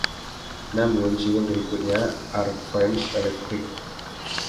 Namun, single berikutnya, Are 'Friends' Electric?